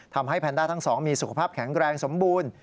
แพนด้าทั้งสองมีสุขภาพแข็งแรงสมบูรณ์